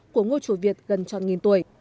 của ngôi chủ việt gần tròn nghìn tuổi